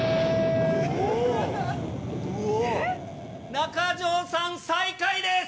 中条さん、最下位です。